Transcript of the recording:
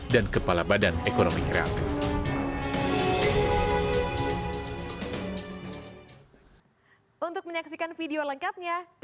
dan kepala badan ekonomi kreatif